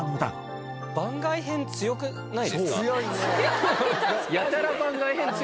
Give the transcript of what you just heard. やたら番外編強くない？